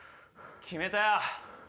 決めたよ！